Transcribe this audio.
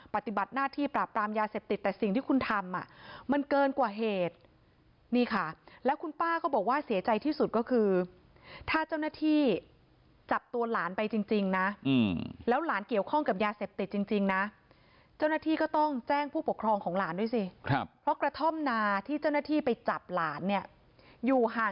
ปฏิบัติหน้าที่ปราบปรามยาเสพติดแต่สิ่งที่คุณทำอ่ะมันเกินกว่าเหตุนี่ค่ะแล้วคุณป้าก็บอกว่าเสียใจที่สุดก็คือถ้าเจ้าหน้าที่จับตัวหลานไปจริงนะแล้วหลานเกี่ยวข้องกับยาเสพติดจริงนะเจ้าหน้าที่ก็ต้องแจ้งผู้ปกครองของหลานด้วยสิครับเพราะกระท่อมนาที่เจ้าหน้าที่ไปจับหลานเนี่ยอยู่ห่าง